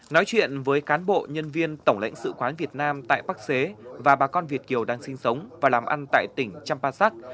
nói chuyện với cán bộ nhân viên tổng lãnh sự quán việt nam tại bắc xê và bà con việt kiều đang sinh sống và làm ăn tại tỉnh champasak